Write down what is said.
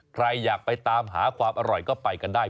ใครอยากไปตามหาความอร่อยก็ไปกันได้